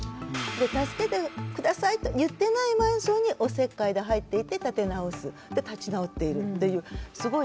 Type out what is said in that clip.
助けてくださいと言ってないマンションにおせっかいで入っていって立て直す立ち直っているというすごいいい事例だと思いますね。